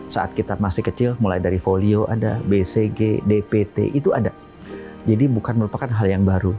saat kita masih kecil mulai dari folio ada bcg dpt itu ada jadi bukan merupakan hal yang baru